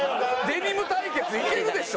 デニム対決いけるでしょ。